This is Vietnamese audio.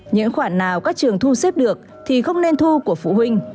những khoản nào các trường thu xếp được thì không nên thu của phụ huynh